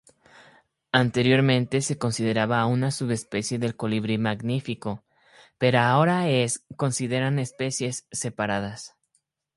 Anteriormente se consideraba una subespecie del colibrí magnífico, pero ahora es consideran especies separadas.